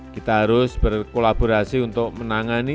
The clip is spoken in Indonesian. kita harus berkolaborasi untuk menangani